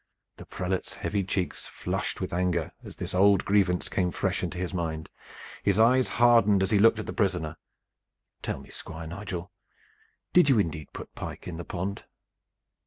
The prelate's heavy cheeks flushed with anger as this old grievance came fresh into his mind. His eyes hardened as he looked at the prisoner. "Tell me, Squire Nigel, did you indeed put pike in the pond?"